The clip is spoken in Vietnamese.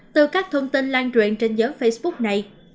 từ các thông tin lan truyền trên giới facebook này